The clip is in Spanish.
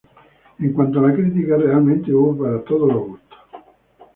En cuanto a la crítica, realmente hubo para todos los gustos.